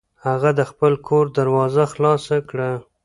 هغه د خپل کور دروازه خلاصه کړه.